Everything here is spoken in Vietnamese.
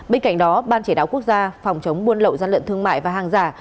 bên cạnh đó ban chỉ đạo quốc gia phòng chống buôn lậu gian lận thương mại và hàng giả